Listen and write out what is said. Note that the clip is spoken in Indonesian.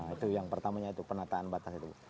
itu yang pertamanya itu penataan batas itu